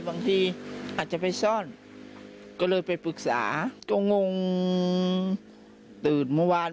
บางทีอาจจะไปซ่อนก็เลยไปปรึกษาก็งงตื่นเมื่อวาน